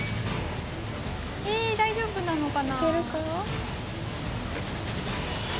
え大丈夫なのかな？